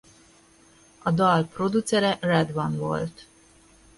A dal producere RedOne volt.